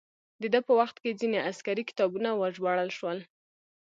د ده په وخت کې ځینې عسکري کتابونه وژباړل شول.